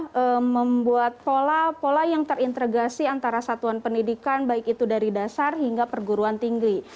kita membuat pola pola yang terintegrasi antara satuan pendidikan baik itu dari dasar hingga perguruan tinggi